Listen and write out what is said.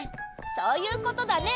そういうことだね！